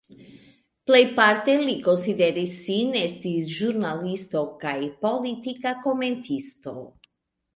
Plejparte li konsideris sin esti ĵurnalisto kaj politika komentisto.